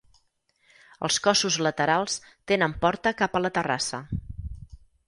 Els cossos laterals tenen porta cap a la terrassa.